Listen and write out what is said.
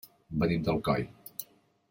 Venim d'Alcoi.